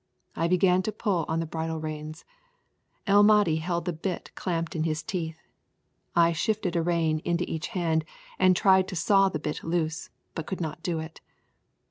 I began to pull on the bridle reins. El Mahdi held the bit clamped in his teeth. I shifted a rein into each hand and tried to saw the bit loose, but I could not do it.